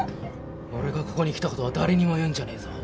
俺がここに来たことは誰にも言うんじゃねえぞ。